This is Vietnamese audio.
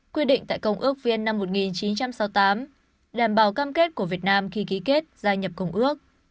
quy định tại công ước viên năm một nghìn chín trăm sáu mươi tám đảm bảo cam kết của việt nam khi ký kết gia nhập công ước